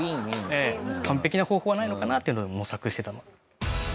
ええ完璧な方法はないのかなっていうので模索してた。